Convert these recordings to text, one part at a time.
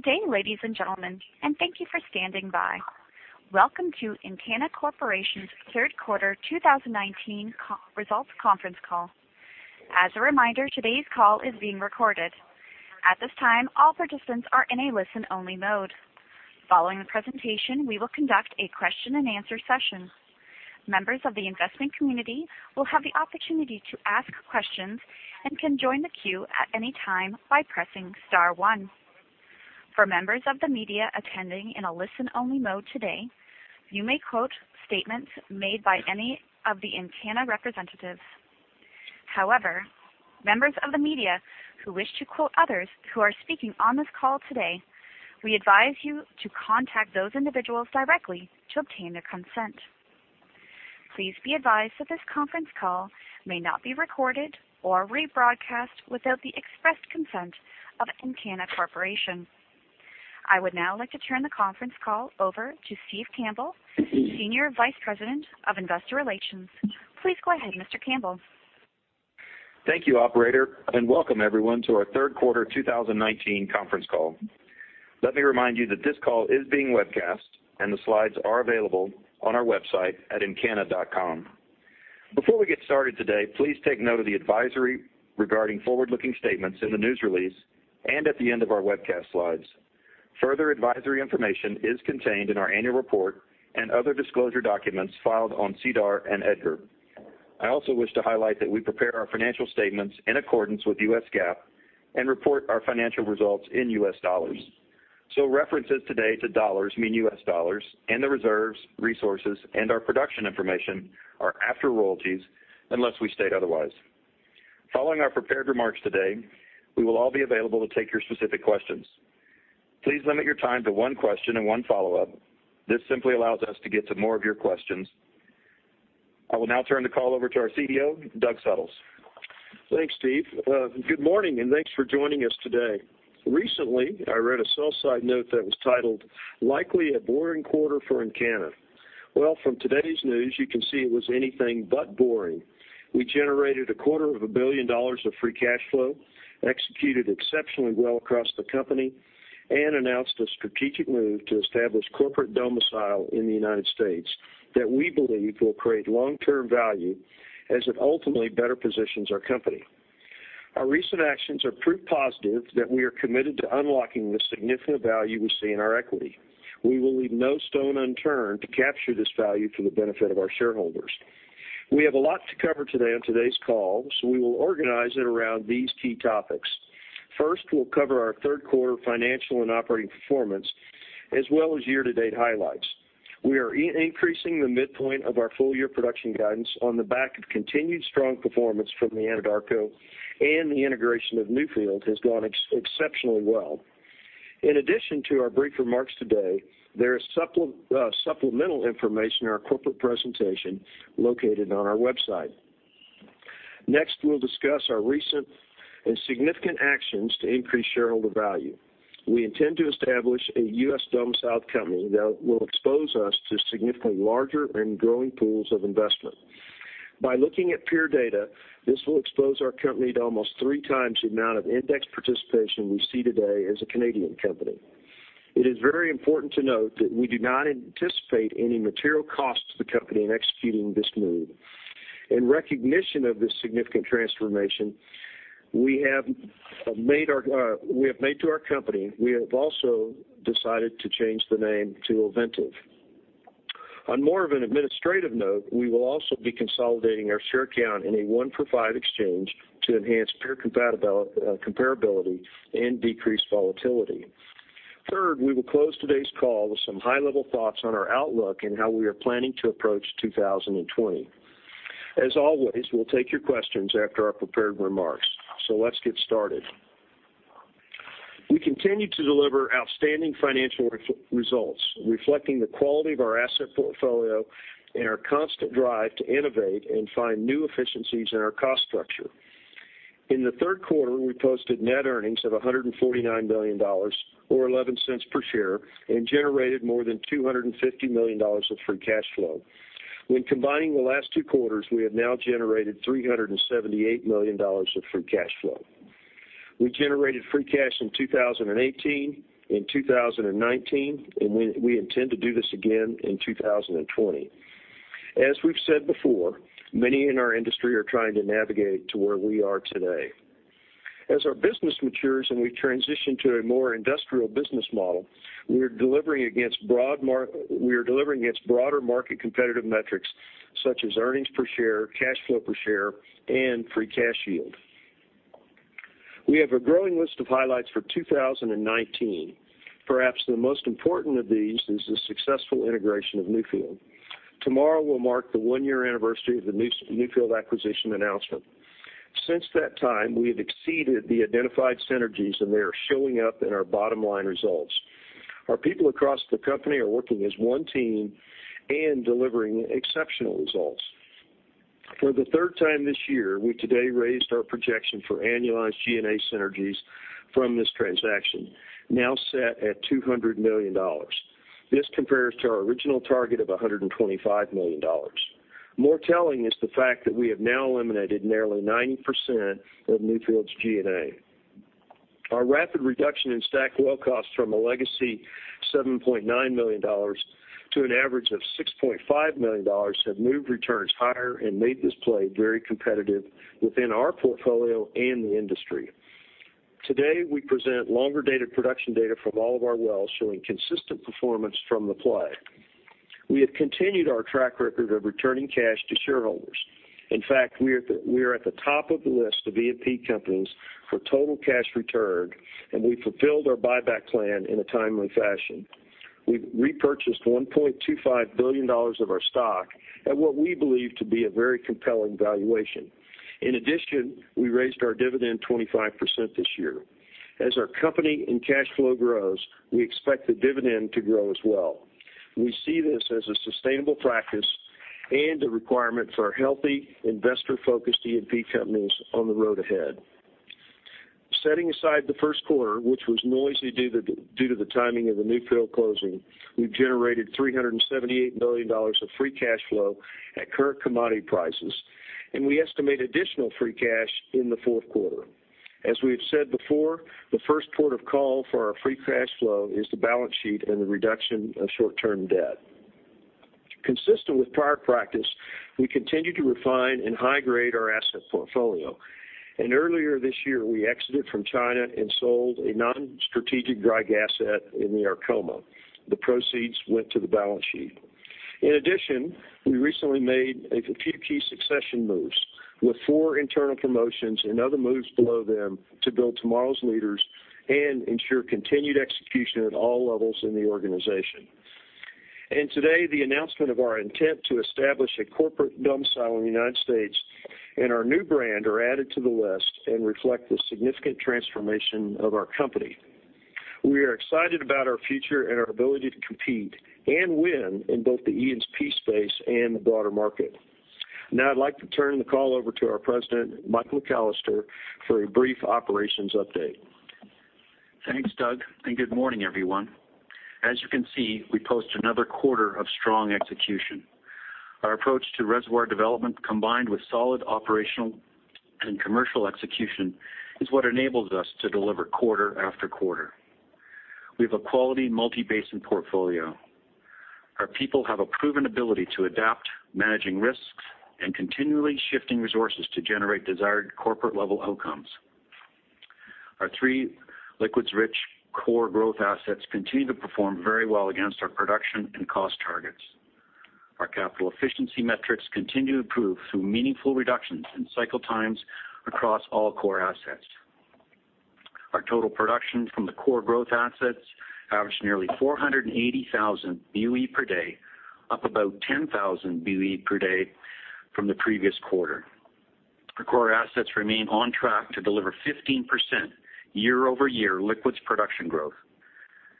Good day, ladies and gentlemen, and thank you for standing by. Welcome to Encana Corporation's third quarter 2019 results conference call. As a reminder, today's call is being recorded. At this time, all participants are in a listen-only mode. Following the presentation, we will conduct a question and answer session. Members of the investment community will have the opportunity to ask questions and can join the queue at any time by pressing star one. For members of the media attending in a listen-only mode today, you may quote statements made by any of the Encana representatives. Members of the media who wish to quote others who are speaking on this call today, we advise you to contact those individuals directly to obtain their consent. Please be advised that this conference call may not be recorded or rebroadcast without the expressed consent of Encana Corporation. I would now like to turn the conference call over to Steve Campbell, Senior Vice President of Investor Relations. Please go ahead, Mr. Campbell. Thank you, operator, and welcome everyone to our third quarter 2019 conference call. Let me remind you that this call is being webcast, and the slides are available on our website at encana.com. Before we get started today, please take note of the advisory regarding forward-looking statements in the news release, and at the end of our webcast slides. Further advisory information is contained in our annual report and other disclosure documents filed on SEDAR and EDGAR. I also wish to highlight that we prepare our financial statements in accordance with US GAAP and report our financial results in US dollars. References today to dollars mean US dollars, and the reserves, resources, and our production information are after royalties unless we state otherwise. Following our prepared remarks today, we will all be available to take your specific questions. Please limit your time to one question and one follow-up. This simply allows us to get to more of your questions. I will now turn the call over to our CEO, Doug Suttles. Thanks, Steve. Good morning, and thanks for joining us today. Recently, I read a sell-side note that was titled Likely a Boring Quarter for Encana. Well, from today's news, you can see it was anything but boring. We generated a quarter of a billion dollars of free cash flow, executed exceptionally well across the company, and announced a strategic move to establish corporate domicile in the United States that we believe will create long-term value as it ultimately better positions our company. Our recent actions are proof positive that we are committed to unlocking the significant value we see in our equity. We will leave no stone unturned to capture this value for the benefit of our shareholders. We have a lot to cover today on today's call, so we will organize it around these key topics. First, we'll cover our third quarter financial and operating performance, as well as year-to-date highlights. We are increasing the midpoint of our full-year production guidance on the back of continued strong performance from the Anadarko and the integration of Newfield has gone exceptionally well. In addition to our brief remarks today, there is supplemental information in our corporate presentation located on our website. Next, we'll discuss our recent and significant actions to increase shareholder value. We intend to establish a U.S. domiciled company that will expose us to significantly larger and growing pools of investment. By looking at peer data, this will expose our company to almost three times the amount of index participation we see today as a Canadian company. It is very important to note that we do not anticipate any material cost to the company in executing this move. In recognition of this significant transformation we have made to our company, we have also decided to change the name to Ovintiv. On more of an administrative note, we will also be consolidating our share count in a one-for-five exchange to enhance peer comparability and decrease volatility. Third, we will close today's call with some high-level thoughts on our outlook and how we are planning to approach 2020. As always, we'll take your questions after our prepared remarks. Let's get started. We continue to deliver outstanding financial results, reflecting the quality of our asset portfolio and our constant drive to innovate and find new efficiencies in our cost structure. In the third quarter, we posted net earnings of $149 million, or $0.11 per share, and generated more than $250 million of free cash flow. When combining the last two quarters, we have now generated $378 million of free cash flow. We generated free cash in 2018, in 2019, and we intend to do this again in 2020. As we've said before, many in our industry are trying to navigate to where we are today. As our business matures and we transition to a more industrial business model, we're delivering against broader market competitive metrics, such as earnings per share, cash flow per share, and free cash yield. We have a growing list of highlights for 2019. Perhaps the most important of these is the successful integration of Newfield. Tomorrow will mark the one-year anniversary of the Newfield acquisition announcement. Since that time, we have exceeded the identified synergies, and they are showing up in our bottom-line results. Our people across the company are working as one team and delivering exceptional results. For the third time this year, we today raised our projection for annualized G&A synergies from this transaction, now set at $200 million. This compares to our original target of $125 million. More telling is the fact that we have now eliminated nearly 90% of Newfield's G&A. Our rapid reduction in STACK well costs from a legacy $7.9 million to an average of $6.5 million have moved returns higher and made this play very competitive within our portfolio and the industry. Today, we present longer data production data from all of our wells showing consistent performance from the play. We have continued our track record of returning cash to shareholders. In fact, we are at the top of the list of E&P companies for total cash returned, and we fulfilled our buyback plan in a timely fashion. We've repurchased $1.25 billion of our stock at what we believe to be a very compelling valuation. In addition, we raised our dividend 25% this year. As our company and cash flow grows, we expect the dividend to grow as well. We see this as a sustainable practice and a requirement for healthy investor-focused E&P companies on the road ahead. Setting aside the first quarter, which was noisy due to the timing of the Newfield closing, we've generated $378 million of free cash flow at current commodity prices, and we estimate additional free cash in the fourth quarter. As we have said before, the first port of call for our free cash flow is the balance sheet and the reduction of short-term debt. Consistent with prior practice, we continue to refine and high-grade our asset portfolio. Earlier this year, we exited from China and sold a non-strategic dry gas asset in the Arkoma. The proceeds went to the balance sheet. In addition, we recently made a few key succession moves, with four internal promotions and other moves below them to build tomorrow's leaders and ensure continued execution at all levels in the organization. Today, the announcement of our intent to establish a corporate domicile in the United States and our new brand are added to the list and reflect the significant transformation of our company. We are excited about our future and our ability to compete and win in both the E&P space and the broader market. Now, I'd like to turn the call over to our President, Mike McAllister, for a brief operations update. Thanks, Doug. Good morning, everyone. As you can see, we post another quarter of strong execution. Our approach to reservoir development, combined with solid operational and commercial execution, is what enables us to deliver quarter after quarter. We have a quality multi basin portfolio. Our people have a proven ability to adapt, managing risks, and continually shifting resources to generate desired corporate level outcomes. Our three liquids-rich core growth assets continue to perform very well against our production and cost targets. Our capital efficiency metrics continue to improve through meaningful reductions in cycle times across all core assets. Our total production from the core growth assets averaged nearly 480,000 BOE per day, up about 10,000 BOE per day from the previous quarter. Our core assets remain on track to deliver 15% year-over-year liquids production growth.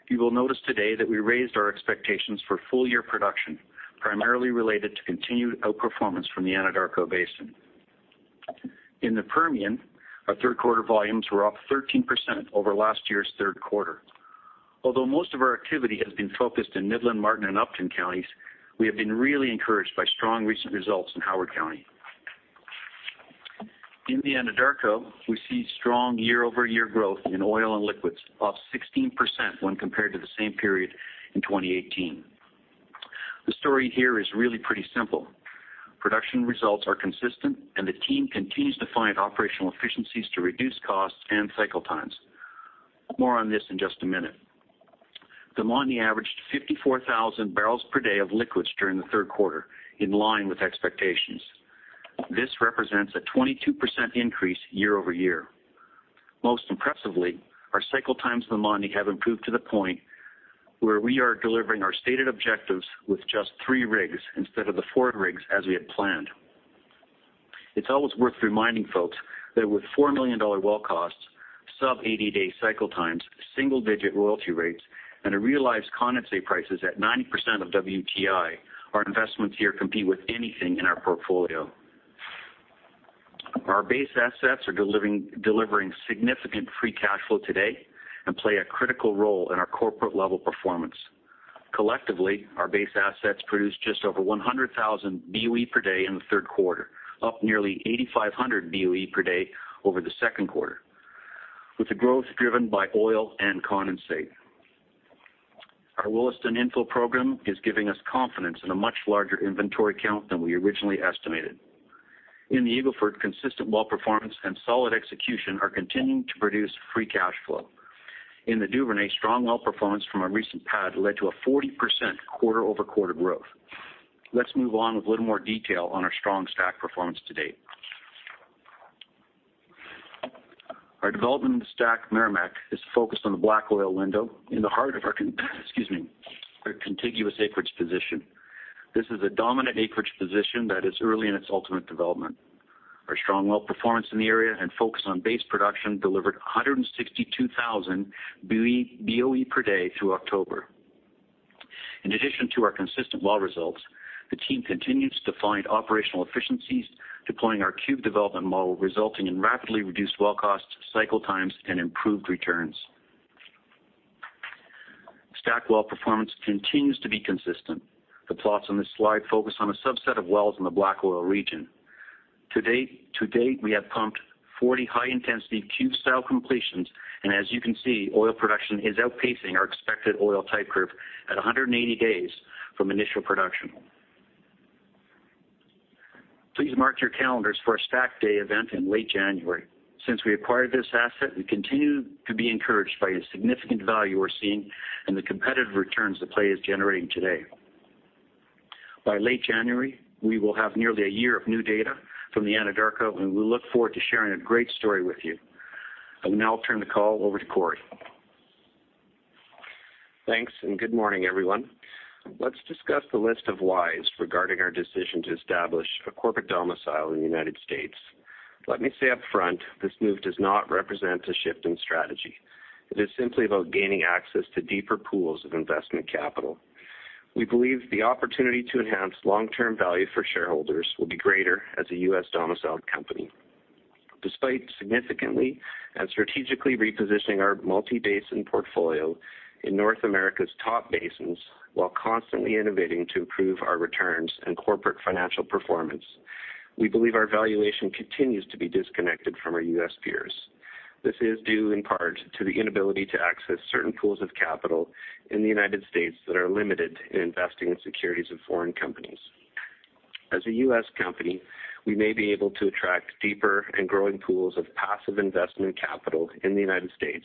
You will notice today that we raised our expectations for full-year production, primarily related to continued outperformance from the Anadarko Basin. In the Permian, our third quarter volumes were up 13% over last year's third quarter. Although most of our activity has been focused in Midland, Martin, and Upton counties, we have been really encouraged by strong recent results in Howard County. In the Anadarko, we see strong year-over-year growth in oil and liquids, up 16% when compared to the same period in 2018. The story here is really pretty simple. Production results are consistent, and the team continues to find operational efficiencies to reduce costs and cycle times. More on this in just a minute. The Montney averaged 54,000 barrels per day of liquids during the third quarter, in line with expectations. This represents a 22% increase year-over-year. Most impressively, our cycle times in the Montney have improved to the point where we are delivering our stated objectives with just three rigs instead of the four rigs as we had planned. It's always worth reminding folks that with $4 million well costs, sub 80-day cycle times, single-digit royalty rates, and a realized condensate prices at 90% of WTI, our investments here compete with anything in our portfolio. Our base assets are delivering significant free cash flow today and play a critical role in our corporate level performance. Collectively, our base assets produced just over 100,000 BOE per day in the third quarter, up nearly 8,500 BOE per day over the second quarter, with the growth driven by oil and condensate. Our Williston infill program is giving us confidence in a much larger inventory count than we originally estimated. In the Eagle Ford, consistent well performance and solid execution are continuing to produce free cash flow. In the Duvernay, strong well performance from our recent pad led to a 40% quarter-over-quarter growth. Let's move on with a little more detail on our strong STACK performance to date. Our development in the STACK Meramec is focused on the black oil window in the heart of our contiguous acreage position. This is a dominant acreage position that is early in its ultimate development. Our strong well performance in the area and focus on base production delivered 162,000 BOE per day through October. In addition to our consistent well results, the team continues to find operational efficiencies, deploying our cube development model, resulting in rapidly reduced well costs, cycle times, and improved returns. Black oil performance continues to be consistent. The plots on this slide focus on a subset of wells in the black oil region. To date, we have pumped 40 high-intensity cube cell completions, and as you can see, oil production is outpacing our expected oil type curve at 180 days from initial production. Please mark your calendars for our STACK Day event in late January. Since we acquired this asset, we continue to be encouraged by the significant value we're seeing and the competitive returns the play is generating today. By late January, we will have nearly a year of new data from the Anadarko, and we look forward to sharing a great story with you. I will now turn the call over to Corey. Thanks. Good morning, everyone. Let's discuss the list of whys regarding our decision to establish a corporate domicile in the United States. Let me say upfront, this move does not represent a shift in strategy. It is simply about gaining access to deeper pools of investment capital. We believe the opportunity to enhance long-term value for shareholders will be greater as a U.S.-domiciled company. Despite significantly and strategically repositioning our multi-basin portfolio in North America's top basins, while constantly innovating to improve our returns and corporate financial performance, we believe our valuation continues to be disconnected from our U.S. peers. This is due in part to the inability to access certain pools of capital in the United States that are limited in investing in securities of foreign companies. As a U.S. company, we may be able to attract deeper and growing pools of passive investment capital in the United States,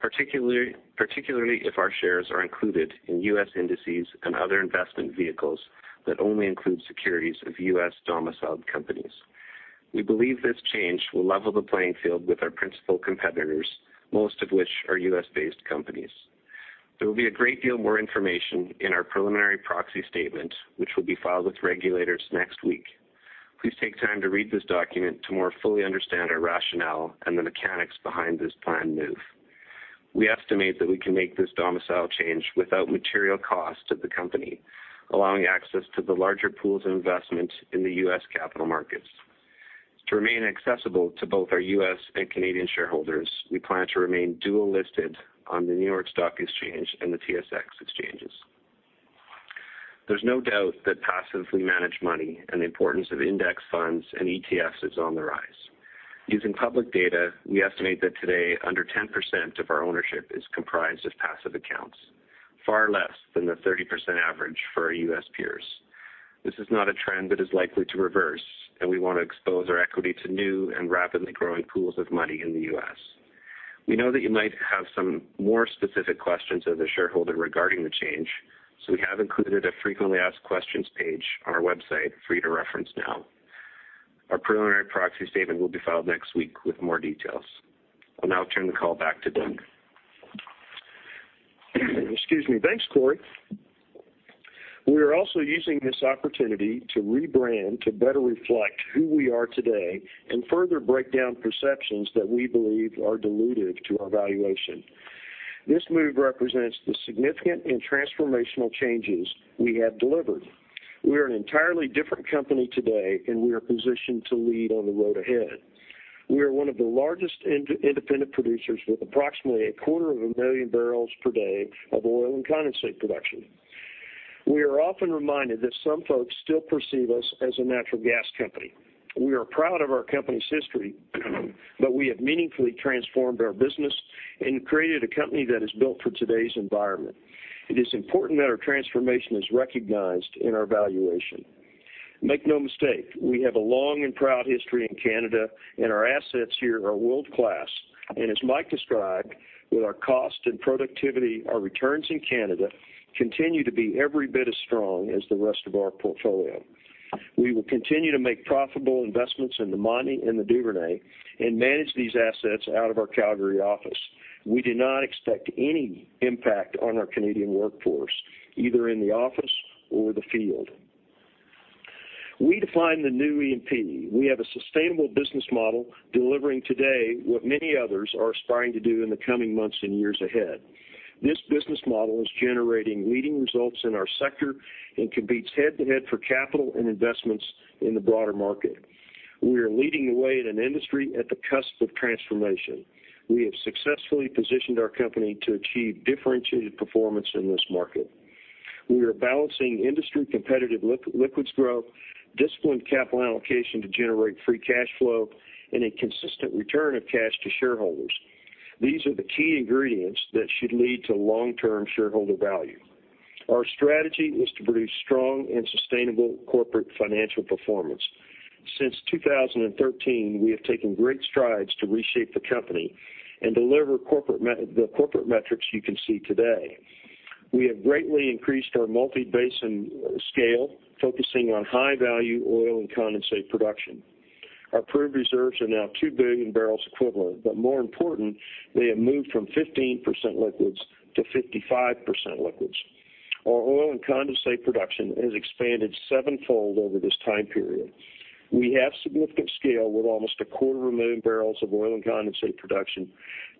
particularly if our shares are included in U.S. indices and other investment vehicles that only include securities of U.S.-domiciled companies. We believe this change will level the playing field with our principal competitors, most of which are U.S.-based companies. There will be a great deal more information in our preliminary proxy statement, which will be filed with regulators next week. Please take time to read this document to more fully understand our rationale and the mechanics behind this planned move. We estimate that we can make this domicile change without material cost to the company, allowing access to the larger pools of investment in the U.S. capital markets. To remain accessible to both our U.S. and Canadian shareholders, we plan to remain dual-listed on the New York Stock Exchange and the TSX. There's no doubt that passively managed money and the importance of index funds and ETFs is on the rise. Using public data, we estimate that today under 10% of our ownership is comprised of passive accounts, far less than the 30% average for our U.S. peers. This is not a trend that is likely to reverse, and we want to expose our equity to new and rapidly growing pools of money in the U.S. We know that you might have some more specific questions as a shareholder regarding the change, so we have included a frequently asked questions page on our website for you to reference now. Our preliminary proxy statement will be filed next week with more details. I'll now turn the call back to Doug. Excuse me. Thanks, Corey. We are also using this opportunity to rebrand to better reflect who we are today and further break down perceptions that we believe are dilutive to our valuation. This move represents the significant and transformational changes we have delivered. We are an entirely different company today, and we are positioned to lead on the road ahead. We are one of the largest independent producers with approximately a quarter of a million barrels per day of oil and condensate production. We are often reminded that some folks still perceive us as a natural gas company. We are proud of our company's history, but we have meaningfully transformed our business and created a company that is built for today's environment. It is important that our transformation is recognized in our valuation. Make no mistake, we have a long and proud history in Canada, and our assets here are world-class. As Mike described, with our cost and productivity, our returns in Canada continue to be every bit as strong as the rest of our portfolio. We will continue to make profitable investments in the Montney and the Duvernay and manage these assets out of our Calgary office. We do not expect any impact on our Canadian workforce, either in the office or the field. We define the new E&P. We have a sustainable business model delivering today what many others are aspiring to do in the coming months and years ahead. This business model is generating leading results in our sector and competes head-to-head for capital and investments in the broader market. We are leading the way in an industry at the cusp of transformation. We have successfully positioned our company to achieve differentiated performance in this market. We are balancing industry competitive liquids growth, disciplined capital allocation to generate free cash flow, and a consistent return of cash to shareholders. These are the key ingredients that should lead to long-term shareholder value. Our strategy is to produce strong and sustainable corporate financial performance. Since 2013, we have taken great strides to reshape the company and deliver the corporate metrics you can see today. We have greatly increased our multi-basin scale, focusing on high-value oil and condensate production. Our proved reserves are now 2 billion barrels equivalent, but more important, they have moved from 15% liquids to 55% liquids. Our oil and condensate production has expanded sevenfold over this time period. We have significant scale with almost a quarter million barrels of oil and condensate production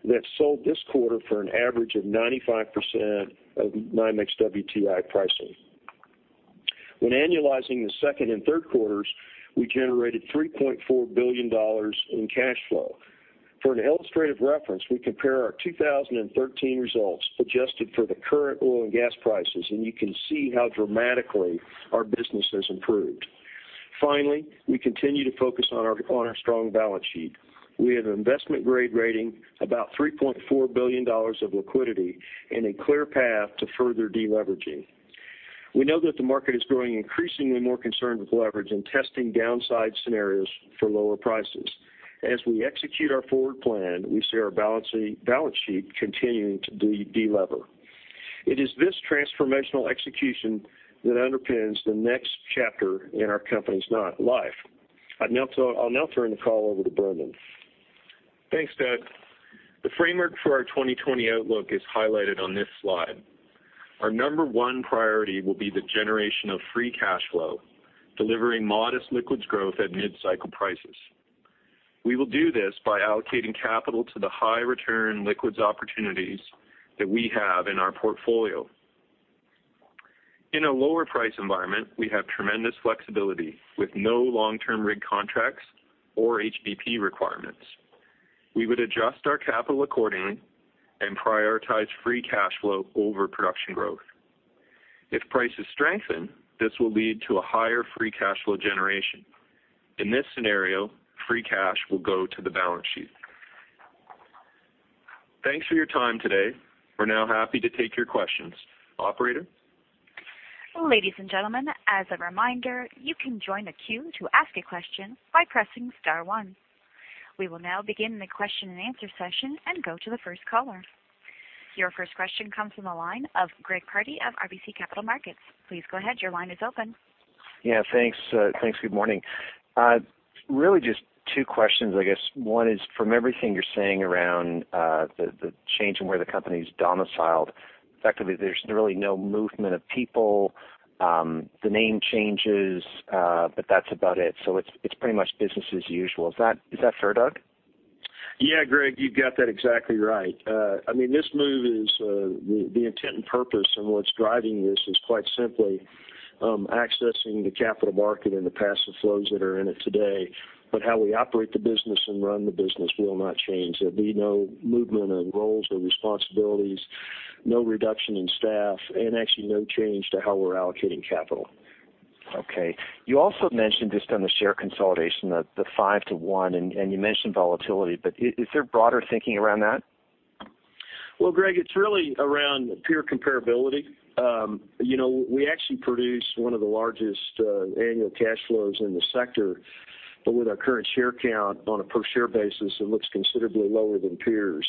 that sold this quarter for an average of 95% of NYMEX WTI pricing. When annualizing the second and third quarters, we generated $3.4 billion in cash flow. For an illustrative reference, we compare our 2013 results adjusted for the current oil and gas prices, and you can see how dramatically our business has improved. Finally, we continue to focus on our strong balance sheet. We have an investment-grade rating, about $3.4 billion of liquidity, and a clear path to further de-leveraging. We know that the market is growing increasingly more concerned with leverage and testing downside scenarios for lower prices. As we execute our forward plan, we see our balance sheet continuing to de-lever. It is this transformational execution that underpins the next chapter in our company's life. I'll now turn the call over to Brendan. Thanks, Doug. The framework for our 2020 outlook is highlighted on this slide. Our number 1 priority will be the generation of free cash flow, delivering modest liquids growth at mid-cycle prices. We will do this by allocating capital to the high-return liquids opportunities that we have in our portfolio. In a lower price environment, we have tremendous flexibility, with no long-term rig contracts or HBP requirements. We would adjust our capital accordingly and prioritize free cash flow over production growth. Prices strengthen, this will lead to a higher free cash flow generation. In this scenario, free cash will go to the balance sheet. Thanks for your time today. We're now happy to take your questions. Operator? Ladies and gentlemen, as a reminder, you can join the queue to ask a question by pressing star one. We will now begin the question and answer session and go to the first caller. Your first question comes from the line of Greg Pardy of RBC Capital Markets. Please go ahead. Your line is open. Yeah, thanks. Good morning. Really just two questions. I guess one is from everything you're saying around the change in where the company's domiciled, effectively there's really no movement of people. The name changes, but that's about it. It's pretty much business as usual. Is that fair, Doug? Yeah, Greg, you've got that exactly right. This move is the intent and purpose, and what's driving this is quite simply accessing the capital market and the passive flows that are in it today. How we operate the business and run the business will not change. There'll be no movement of roles or responsibilities, no reduction in staff, and actually no change to how we're allocating capital. Okay. You also mentioned just on the share consolidation, the 5 to 1, and you mentioned volatility, but is there broader thinking around that? Greg, it's really around peer comparability. We actually produce one of the largest annual cash flows in the sector, but with our current share count on a per share basis, it looks considerably lower than peers.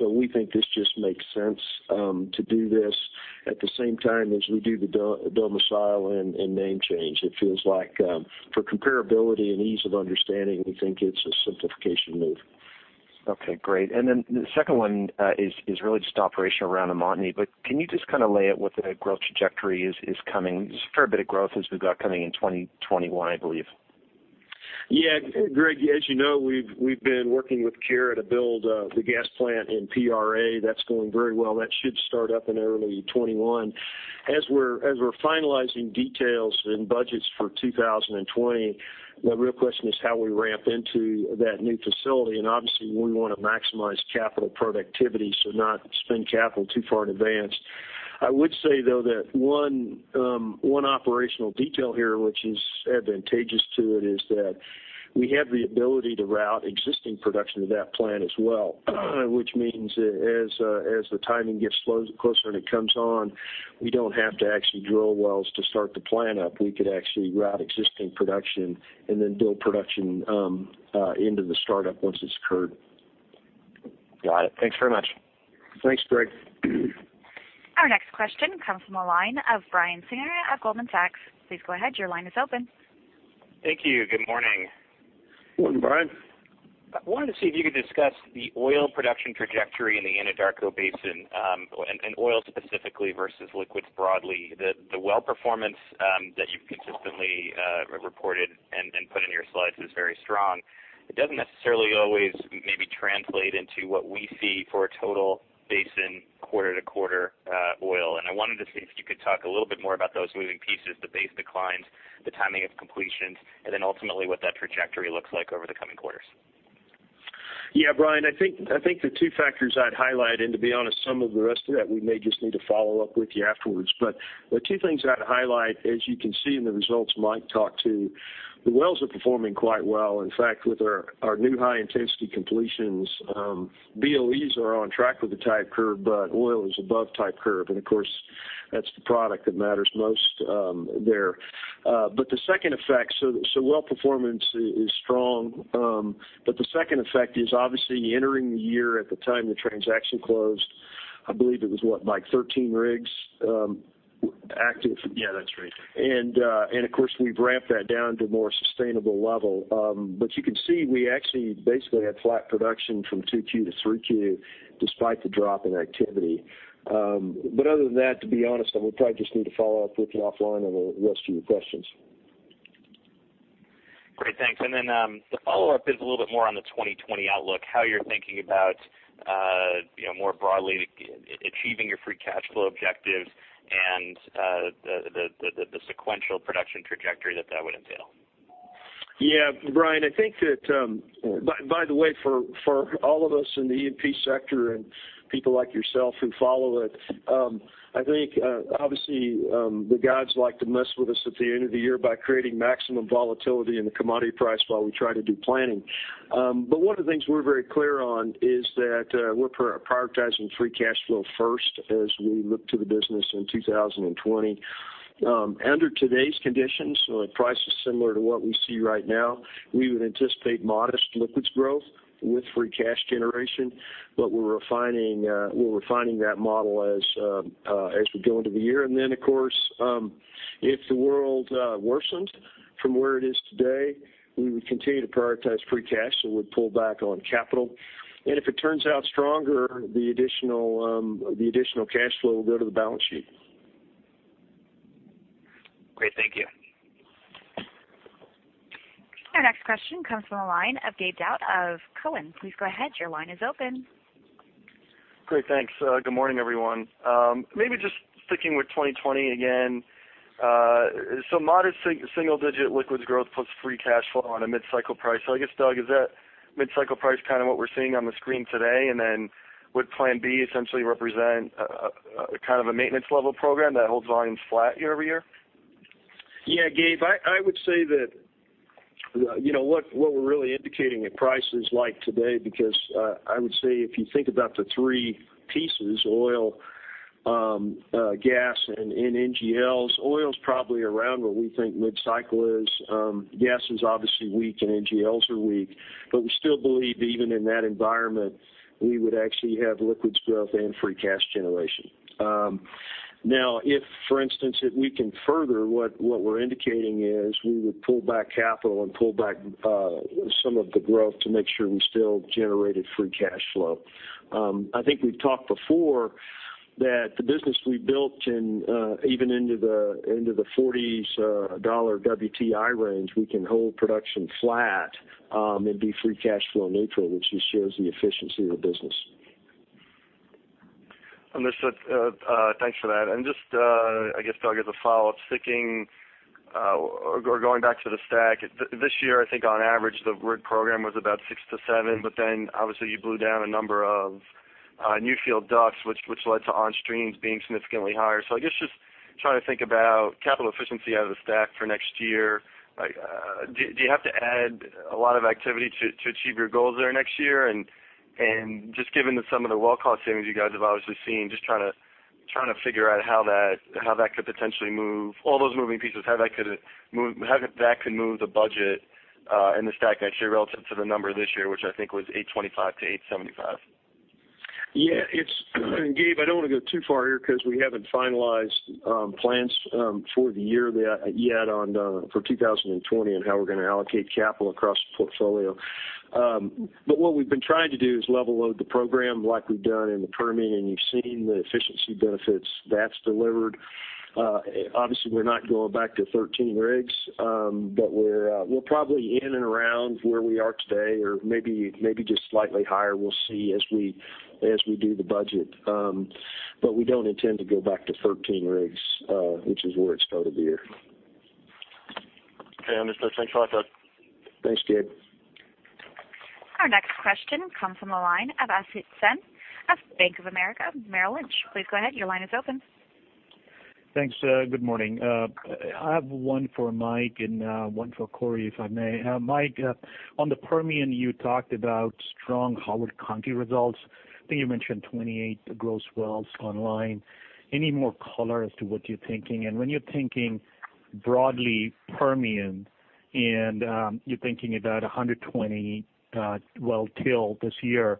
We think this just makes sense to do this at the same time as we do the domicile and name change. It feels like for comparability and ease of understanding, we think it's a simplification move. Okay, great. The second one is really just operational around Montney, but can you just lay out what the growth trajectory is coming? There's a fair bit of growth as we've got coming in 2021, I believe. Yeah. Greg, as you know, we've been working with Keyera to build the gas plant in Pipestone. That's going very well. That should start up in early 2021. As we're finalizing details and budgets for 2020, the real question is how we ramp into that new facility, and obviously we want to maximize capital productivity, so not spend capital too far in advance. I would say, though, that one operational detail here, which is advantageous to it, is that we have the ability to route existing production to that plant as well, which means as the timing gets closer and it comes on, we don't have to actually drill wells to start the plant up. We could actually route existing production and then build production into the startup once it's occurred. Got it. Thanks very much. Thanks, Greg. Our next question comes from the line of Brian Singer at Goldman Sachs. Please go ahead. Your line is open. Thank you. Good morning. Morning, Brian. I wanted to see if you could discuss the oil production trajectory in the Anadarko Basin, and oil specifically versus liquids broadly. The well performance that you've consistently reported and put in your slides is very strong. It doesn't necessarily always maybe translate into what we see for a total basin quarter-to-quarter oil, and I wanted to see if you could talk a little bit more about those moving pieces, the base declines, the timing of completions, and then ultimately what that trajectory looks like over the coming quarters. Yeah, Brian, I think the two factors I'd highlight, and to be honest, some of the rest of that we may just need to follow up with you afterwards. The two things I'd highlight, as you can see in the results Mike talked to, the wells are performing quite well. In fact, with our new high-intensity completions, BOEs are on track with the type curve, but oil is above type curve, and of course, that's the product that matters most there. Well performance is strong. The second effect is obviously entering the year at the time the transaction closed, I believe it was what, Mike, 13 rigs active? Yeah, that's right. Of course, we've ramped that down to a more sustainable level. You can see we actually basically had flat production from two Q to three Q despite the drop in activity. Other than that, to be honest, I would probably just need to follow up with you offline on the rest of your questions. Great. Thanks. The follow-up is a little bit more on the 2020 outlook, how you're thinking about more broadly achieving your free cash flow objectives and the sequential production trajectory that would entail. Yeah. Brian, by the way, for all of us in the E&P sector and people like yourself who follow it, I think, obviously, the gods like to mess with us at the end of the year by creating maximum volatility in the commodity price while we try to do planning. One of the things we're very clear on is that we're prioritizing free cash flow first as we look to the business in 2020. Under today's conditions, prices similar to what we see right now, we would anticipate modest liquids growth with free cash generation, but we're refining that model as we go into the year. Then, of course, if the world worsens from where it is today, we would continue to prioritize free cash, so we'd pull back on capital. If it turns out stronger, the additional cash flow will go to the balance sheet. Great. Thank you. Our next question comes from the line of Gabe Daoud of Cowen. Please go ahead. Your line is open. Great. Thanks. Good morning, everyone. Maybe just sticking with 2020 again. Modest single-digit liquids growth plus free cash flow on a mid-cycle price. I guess, Doug, is that mid-cycle price kind of what we're seeing on the screen today? Then would plan B essentially represent a kind of a maintenance level program that holds volumes flat year over year? Gabe, I would say that what we're really indicating at prices like today, because I would say if you think about the three pieces, oil, gas, and NGLs. Oil's probably around where we think mid-cycle is. Gas is obviously weak, and NGLs are weak. We still believe even in that environment, we would actually have liquids growth and free cash generation. If, for instance, if we can further what we're indicating is we would pull back capital and pull back some of the growth to make sure we still generated free cash flow. I think we've talked before that the business we built even into the $40 WTI range, we can hold production flat and be free cash flow neutral, which just shows the efficiency of the business. Understood. Thanks for that. Just, I guess, Doug, as a follow-up, going back to the STACK, this year, I think on average, the rig program was about 6 to 7, but then obviously you blew down a number of Newfield DUCs, which led to on streams being significantly higher. I guess just trying to think about capital efficiency out of the STACK for next year. Do you have to add a lot of activity to achieve your goals there next year? Just given that some of the well cost savings you guys have obviously seen, just trying to figure out how that could potentially move all those moving pieces, how that could move the budget and the STACK next year relative to the number this year, which I think was $825 to $875. Yeah. Gabe, I don't want to go too far here because we haven't finalized plans for the year yet for 2020 and how we're going to allocate capital across the portfolio. What we've been trying to do is level load the program like we've done in the Permian, and you've seen the efficiency benefits that's delivered. Obviously, we're not going back to 13 rigs. We're probably in and around where we are today or maybe just slightly higher. We'll see as we do the budget. We don't intend to go back to 13 rigs, which is where it started the year. Okay. Understood. Thanks a lot, Doug. Thanks, Gabe. Our next question comes from the line of Asit Sen of Bank of America, Merrill Lynch. Please go ahead. Your line is open. Thanks. Good morning. I have one for Mike and one for Corey, if I may. Mike, on the Permian, you talked about strong Howard County results. I think you mentioned 28 gross wells online. Any more color as to what you're thinking? When you're thinking broadly Permian, and you're thinking about 120 well till this year,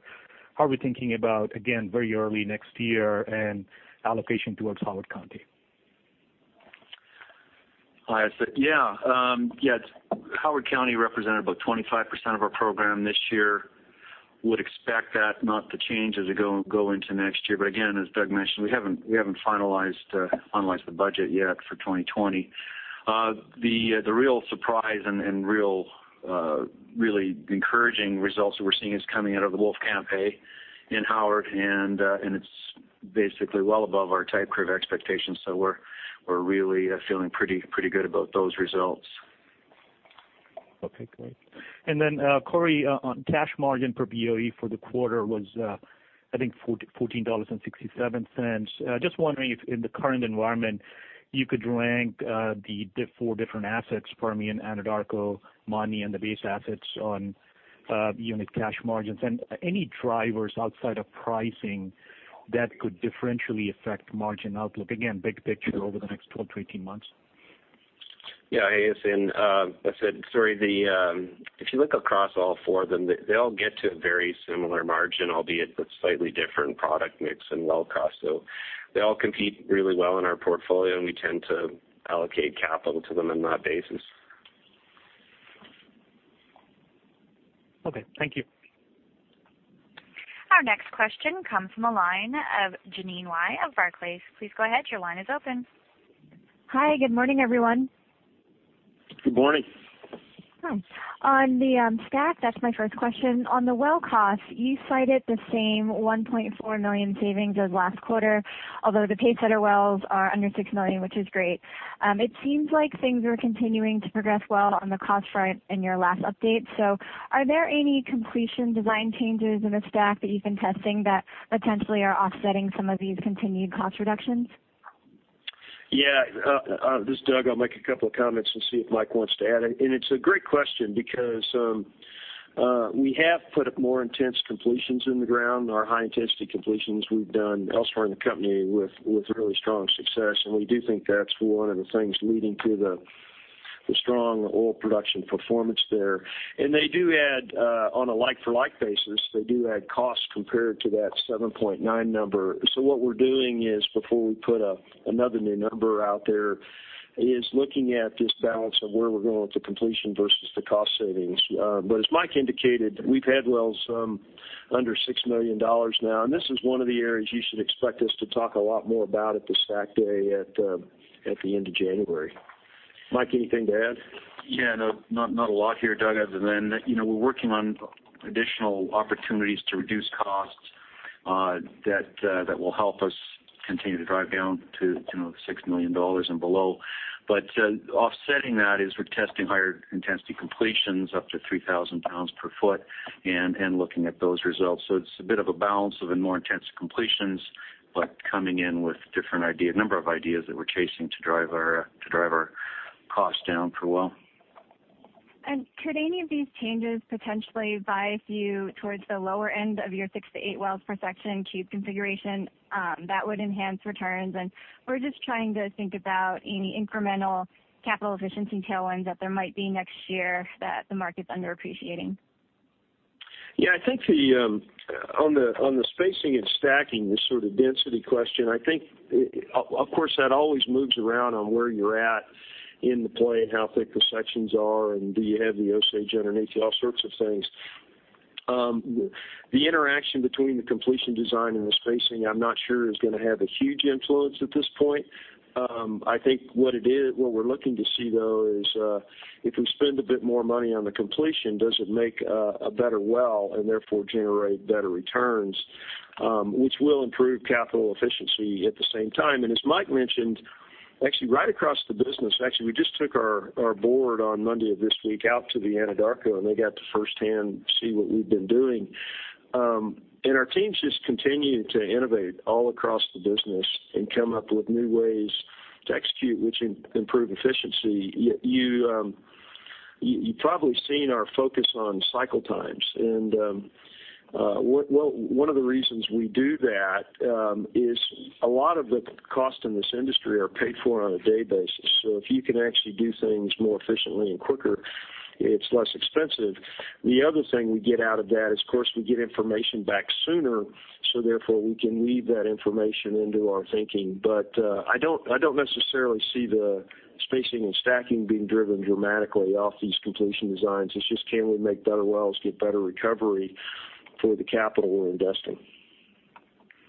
how are we thinking about, again, very early next year and allocation towards Howard County? Hi, Asit. Yeah. Howard County represented about 25% of our program this year. Would expect that not to change as we go into next year. Again, as Doug mentioned, we haven't finalized the budget yet for 2020. The real surprise and really encouraging results that we're seeing is coming out of the Wolfcamp play in Howard, and it's basically well above our type curve expectations. We're really feeling pretty good about those results. Okay, great. Corey, on cash margin per BOE for the quarter was, I think, $14.67. Just wondering if in the current environment you could rank the four different assets, Permian, Anadarko, Montney, and the base assets on unit cash margins. Any drivers outside of pricing that could differentially affect margin outlook? Again, big picture over the next 12, 18 months. Yeah. Asit, sorry. If you look across all four of them, they all get to a very similar margin, albeit with slightly different product mix and well cost. They all compete really well in our portfolio, and we tend to allocate capital to them on that basis. Okay. Thank you. Our next question comes from the line of Jeanine Wai of Barclays. Please go ahead. Your line is open. Hi. Good morning, everyone. Good morning. Hi. On the STACK, that's my first question. On the well cost, you cited the same $1.4 million savings as last quarter, although the pacesetter wells are under $6 million, which is great. It seems like things are continuing to progress well on the cost front in your last update. Are there any completion design changes in the STACK that you've been testing that potentially are offsetting some of these continued cost reductions? Yeah. This is Doug. I'll make a couple of comments and see if Mike wants to add in. It's a great question because we have put up more intense completions in the ground, our high-intensity completions we've done elsewhere in the company with really strong success. We do think that's one of the things leading to the strong oil production performance there. They do add, on a like for like basis, they do add cost compared to that 7.9. What we're doing is, before we put another new number out there, is looking at this balance of where we're going with the completion versus the cost savings. As Mike indicated, we've had wells under $6 million now, and this is one of the areas you should expect us to talk a lot more about at the STACK Day at the end of January. Mike, anything to add? Yeah. No, not a lot here, Doug, other than we're working on additional opportunities to reduce costs that will help us continue to drive down to the $6 million and below. Offsetting that is we're testing higher intensity completions up to 3,000 pounds per foot and looking at those results. It's a bit of a balance of the more intense completions, but coming in with a number of ideas that we're chasing to drive our cost down per well. Could any of these changes potentially bias you towards the lower end of your 6-8 wells per section cube configuration? That would enhance returns, and we're just trying to think about any incremental capital efficiency tailwinds that there might be next year that the market's underappreciating. Yeah, I think on the spacing and stacking, this sort of density question, I think, of course, that always moves around on where you're at in the play and how thick the sections are, and do you have the Osage underneath you, all sorts of things. The interaction between the completion design and the spacing, I'm not sure is going to have a huge influence at this point. I think what we're looking to see, though, is if we spend a bit more money on the completion, does it make a better well and therefore generate better returns, which will improve capital efficiency at the same time. As Mike mentioned, actually right across the business, actually, we just took our board on Monday of this week out to the Anadarko, and they got to firsthand see what we've been doing. Our teams just continue to innovate all across the business and come up with new ways to execute, which improve efficiency. You've probably seen our focus on cycle times. One of the reasons we do that is a lot of the costs in this industry are paid for on a day basis. If you can actually do things more efficiently and quicker, it's less expensive. The other thing we get out of that is, of course, we get information back sooner, therefore we can weave that information into our thinking. I don't necessarily see the spacing and stacking being driven dramatically off these completion designs. It's just can we make better wells, get better recovery for the capital we're investing.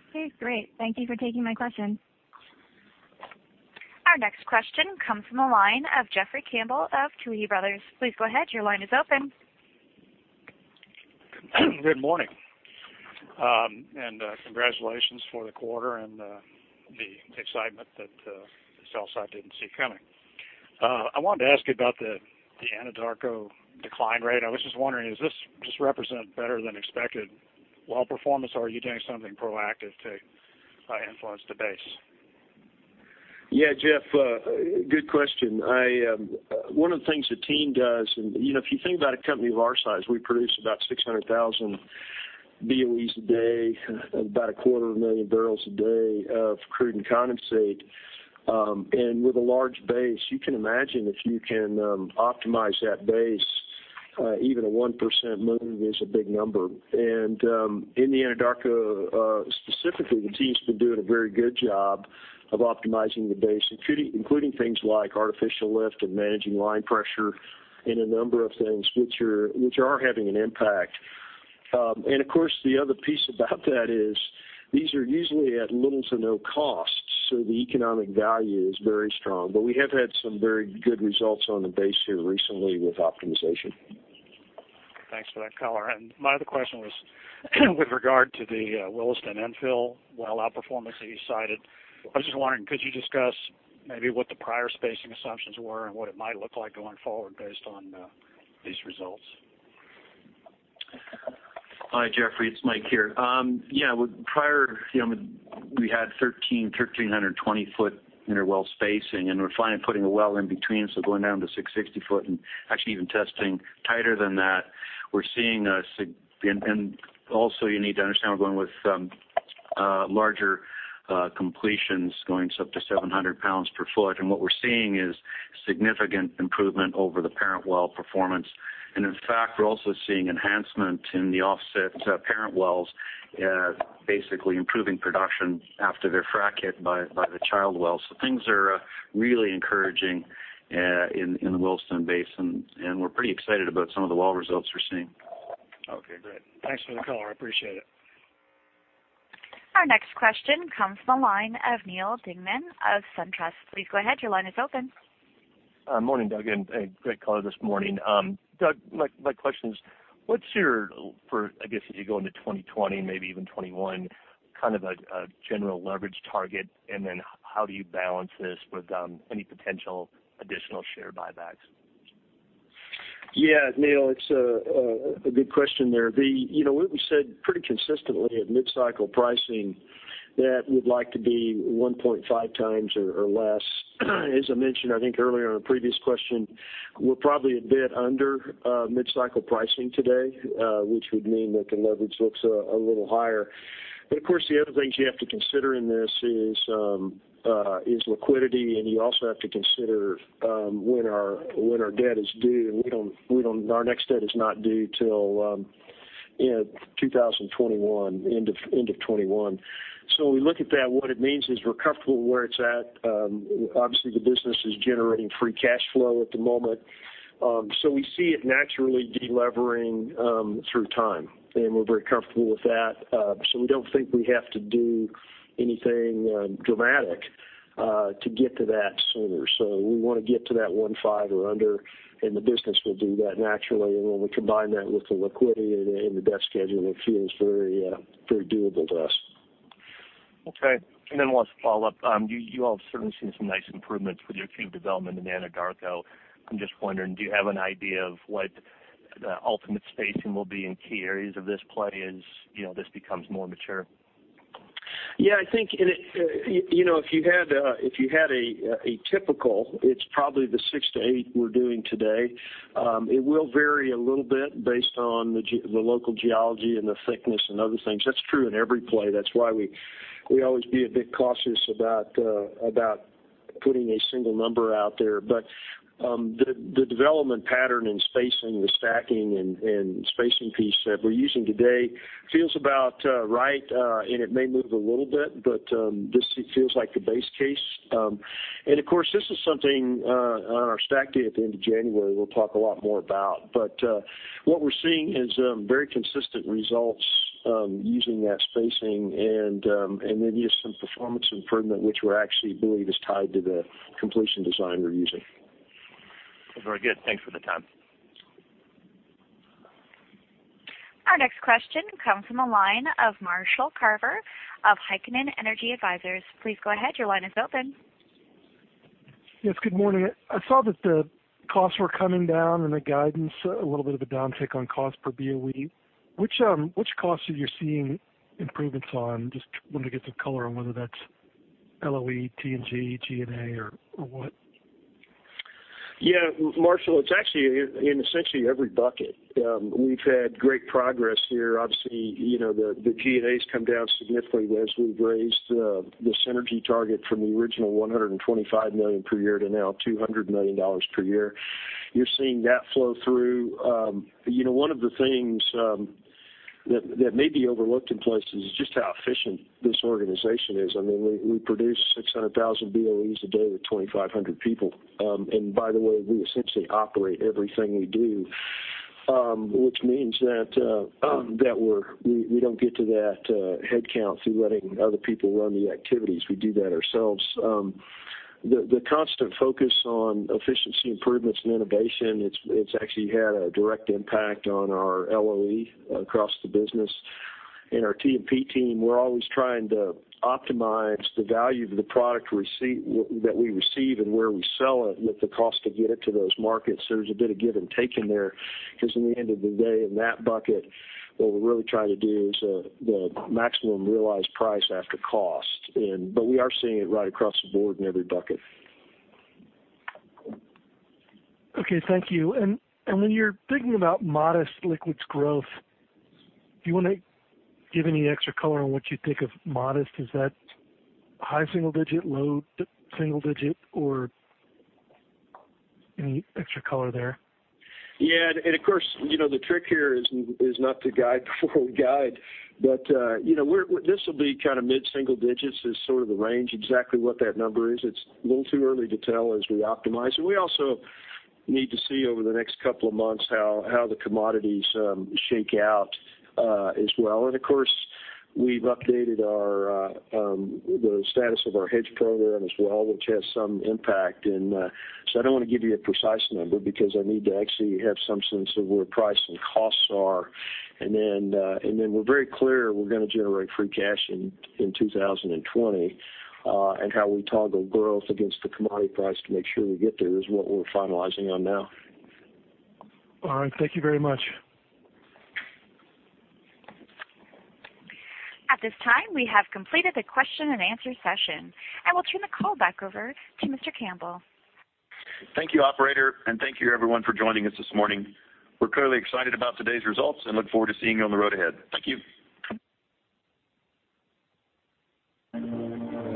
Okay, great. Thank you for taking my question. Our next question comes from the line of Jeffrey Campbell of Keefe, Bruyette & Woods. Please go ahead. Your line is open. Good morning. Congratulations for the quarter and the excitement that the sell side didn't see coming. I wanted to ask you about the Anadarko decline rate. I was just wondering, is this just represent better than expected well performance, or are you doing something proactive to influence the base? Yeah, Jeff, good question. One of the things the team does, if you think about a company of our size, we produce about 600,000 BOEs a day, about a quarter of a million barrels a day of crude and condensate. With a large base, you can imagine if you can optimize that base, even a 1% move is a big number. In the Anadarko specifically, the team's been doing a very good job of optimizing the base, including things like artificial lift and managing line pressure in a number of things which are having an impact. Of course, the other piece about that is these are usually at little to no cost. The economic value is very strong. We have had some very good results on the base here recently with optimization. Thanks for that color. My other question was with regard to the Williston infill well outperformance that you cited. I was just wondering, could you discuss maybe what the prior spacing assumptions were and what it might look like going forward based on these results? Hi, Jeffrey. It's Mike here. Prior, we had 1,320 foot inter-well spacing. We're planning on putting a well in between, going down to 660 foot and actually even testing tighter than that. Also you need to understand we're going with larger completions going up to 700 pounds per foot. What we're seeing is significant improvement over the parent well performance. In fact, we're also seeing enhancement in the offset parent wells. Basically improving production after their frac hit by the child well. Things are really encouraging in the Williston Basin, and we're pretty excited about some of the well results we're seeing. Okay, great. Thanks for the color. I appreciate it. Our next question comes from the line of Neal Dingmann of SunTrust. Please go ahead. Your line is open. Morning, Doug, great color this morning. Doug, my question is, what's your, for I guess as you go into 2020, maybe even 2021, kind of a general leverage target, and then how do you balance this with any potential additional share buybacks? Yeah, Neal, it's a good question there. We've said pretty consistently at mid-cycle pricing that we'd like to be 1.5 times or less. As I mentioned, I think earlier in a previous question, we're probably a bit under mid-cycle pricing today, which would mean that the leverage looks a little higher. Of course, the other things you have to consider in this is liquidity. You also have to consider when our debt is due. Our next debt is not due till end of 2021. When we look at that, what it means is we're comfortable where it's at. Obviously, the business is generating free cash flow at the moment. We see it naturally de-levering through time, and we're very comfortable with that. We don't think we have to do anything dramatic to get to that sooner. We want to get to that one five or under, and the business will do that naturally. When we combine that with the liquidity and the debt schedule, it feels very doable to us. Okay. Last follow-up. You all have certainly seen some nice improvements with your cube development in Anadarko. I'm just wondering, do you have an idea of what the ultimate spacing will be in key areas of this play as this becomes more mature? Yeah, I think if you had a typical, it's probably the 6 to 8 we're doing today. It will vary a little bit based on the local geology and the thickness and other things. That's true in every play. That's why we always be a bit cautious about putting a single number out there. The development pattern and spacing, the STACKing and spacing piece that we're using today feels about right, and it may move a little bit, but this feels like the base case. Of course, this is something on our STACK day at the end of January we'll talk a lot more about. What we're seeing is very consistent results using that spacing and then use some performance improvement, which we actually believe is tied to the completion design we're using. Very good. Thanks for the time. Our next question comes from the line of Marshall Carver of Heikkinen Energy Advisors. Please go ahead. Your line is open. Yes, good morning. I saw that the costs were coming down and the guidance, a little bit of a downtick on cost per BOE. Which costs are you seeing improvements on? Just wanted to get some color on whether that's LOE, T&G&A or what. Yeah, Marshall, it's actually in essentially every bucket. We've had great progress here. Obviously, the G&A's come down significantly as we've raised the synergy target from the original $125 million per year to now $200 million per year. You're seeing that flow through. One of the things that may be overlooked in places is just how efficient this organization is. We produce 600,000 BOEs a day with 2,500 people. By the way, we essentially operate everything we do, which means that we don't get to that head count through letting other people run the activities. We do that ourselves. The constant focus on efficiency improvements and innovation, it's actually had a direct impact on our LOE across the business. In our T&P team, we're always trying to optimize the value of the product that we receive and where we sell it with the cost to get it to those markets. There's a bit of give and take in there, because in the end of the day, in that bucket, what we're really trying to do is the maximum realized price after cost. We are seeing it right across the board in every bucket. Okay, thank you. When you're thinking about modest liquids growth, do you want to give any extra color on what you think of modest? Is that high single digit, low single digit, or any extra color there? Yeah, of course, the trick here is not to guide before we guide, but this will be mid-single digits is sort of the range. Exactly what that number is, it's a little too early to tell as we optimize. We also need to see over the next couple of months how the commodities shake out as well. Of course, we've updated the status of our hedge program as well, which has some impact. I don't want to give you a precise number because I need to actually have some sense of where price and costs are. Then we're very clear we're going to generate free cash in 2020. How we toggle growth against the commodity price to make sure we get there is what we're finalizing on now. All right. Thank you very much. At this time, we have completed the question and answer session. I will turn the call back over to Mr. Campbell. Thank you, operator, and thank you everyone for joining us this morning. We're clearly excited about today's results and look forward to seeing you on the road ahead. Thank you.